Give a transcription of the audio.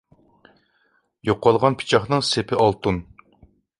يوقالغان پىچاقنىڭ سېپى ئالتۇن.